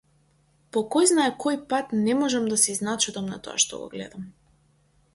По којзнае кој пат не можам да се изначудам на тоа што го гледам.